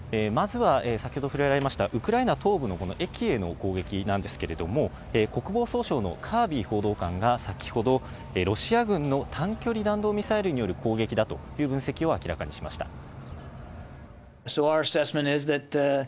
まずは、先ほど触れられましたウクライナ東部のこの駅への攻撃なんですけれども、国防総省のカービー報道官が先ほど、ロシア軍の短距離弾道ミサイルによる攻撃だという分析を明らかにしました。